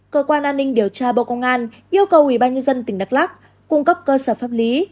cơ quan an ninh điều tra bộ công an yêu cầu ubnd tỉnh đắk lắc cung cấp cơ sở pháp lý